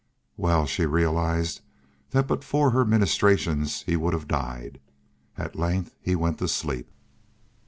Well she realized that but for her ministrations he would have died. At length he went to sleep.